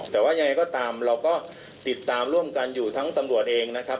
แต่ว่ายังไงก็ตามเราก็ติดตามร่วมกันอยู่ทั้งตำรวจเองนะครับ